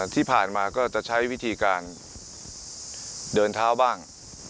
ที่ผ่านมาก็จะใช้วิธีการเดินเท้าบ้าง